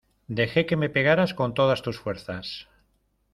deje que me pegaras con todas tus fuerzas.